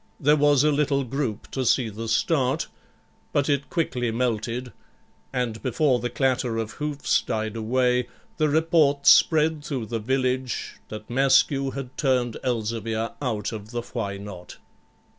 There was a little group to see the start, but it quickly melted; and before the clatter of hoofs died away, the report spread through the village that Maskew had turned Elzevir out of the Why Not?